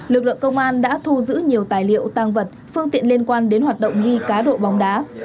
lực lượng công an đã thu giữ nhiều tài liệu tăng vật phương tiện liên quan đến hoạt động ghi cá độ bóng đá